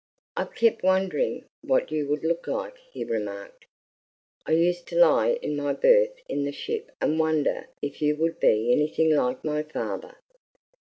"I've kept wondering what you would look like," he remarked. "I used to lie in my berth in the ship and wonder if you would be anything like my father."